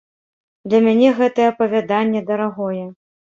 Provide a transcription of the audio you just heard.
Для мяне гэтае апавяданне дарагое.